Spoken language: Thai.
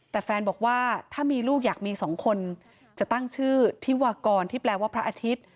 แต่แฟนบอกว่าถ้ามีลูกอยากมีสองคนจะตั้งชื่อธิวากรที่แปลว่าพระอาทิตย์